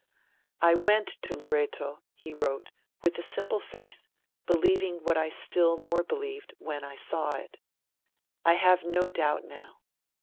'I went to Loreto,' he wrote, 'with a simple faith, believing what I still more believed when I saw it. I have no doubt now.